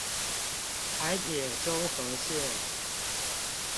臺鐵中和線